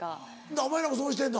お前らもそうしてんの？